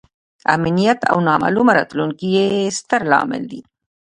امنیت او نامعلومه راتلونکې یې ستر لامل دی.